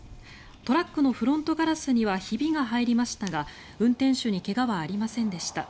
トラックのフロントガラスにはひびが入りましたが運転手に怪我はありませんでした。